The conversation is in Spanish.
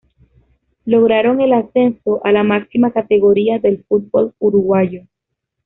Lograron el ascenso a la máxima categoría del fútbol uruguayo.